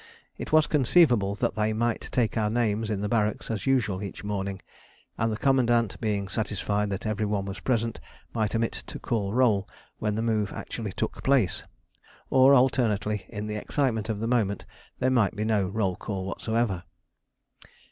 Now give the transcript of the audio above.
It was conceivable that they might take our names in the barracks as usual each morning, and the commandant, being satisfied that every one was present, might omit to call roll when the move actually took place; or alternately, in the excitement of the moment, there might be no roll call whatsoever.